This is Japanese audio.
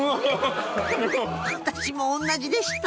私も同じでした！